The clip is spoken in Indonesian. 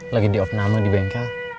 lagi di opname di bengkel